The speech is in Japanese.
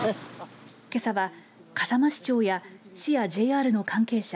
けさは笠間市長や市やＪＲの関係者